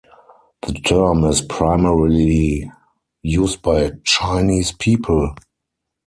The term is primarily used by Chinese people.